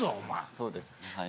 そうですねはい。